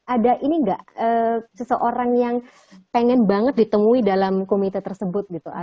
ada ini nggak seseorang yang pengen banget ditemui dalam komite tersebut gitu